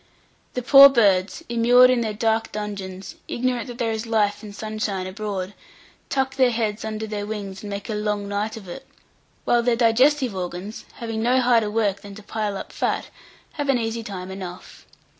The poor birds, immured in their dark dungeons, ignorant that there is life and sunshine abroad, tuck their heads under their wings and make a long night of it; while their digestive organs, having no harder work than to pile up fat, have an easy time enough.